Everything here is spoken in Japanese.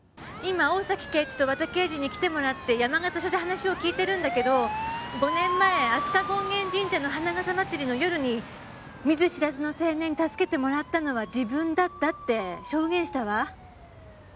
今大崎刑事と和田刑事に来てもらって山形署で話を聞いてるんだけど５年前飛鳥権現神社の花笠祭りの夜に見ず知らずの青年に助けてもらったのは自分だったって証言したわ。